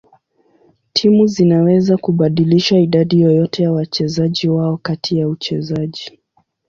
Timu zinaweza kubadilisha idadi yoyote ya wachezaji wao kati ya uchezaji.